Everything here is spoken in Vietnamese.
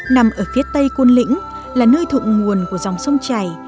nằm ở phía tây quân lĩnh là nơi thụng nguồn của dòng sông chảy